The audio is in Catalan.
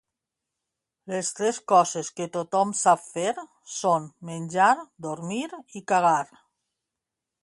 Les tres coses que tothom sap fer són: menjar, dormir i cagar.